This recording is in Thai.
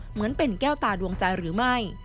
เหมือนเป็นแก้วตาดวงใจหรือไม่